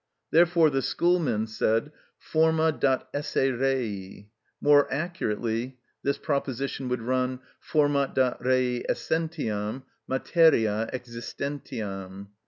Therefore the Schoolmen said, "Forma dat esse rei;" more accurately this proposition would run: Forma dat rei essentiam, materia existentiam.